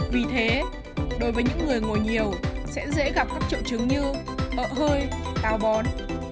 vì thế đối với những người ngồi nhiều sẽ dễ gặp các trậu trứng như ợ hơi tào bón